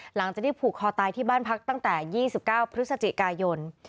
หลังจากที่ผูกคอตายที่บ้านพักตั้งแต่๒๙พฤศจิกายน